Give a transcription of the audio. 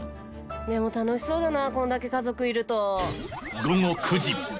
でも楽しそうだなこんだけ家族いると。